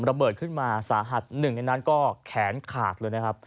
ระเบิดขึ้นมาสาหัสหนึ่งในนั้นก็แขนขาดเลยนะครับ